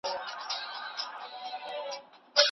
شاګرد کولای سي چي د خپلې خوښي لارښود استاد وټاکي.